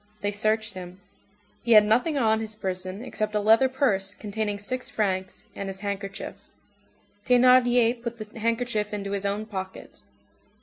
They searched him. He had nothing on his person except a leather purse containing six francs, and his handkerchief. Thénardier put the handkerchief into his own pocket.